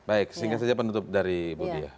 baik sehingga saja penutup dari bu diah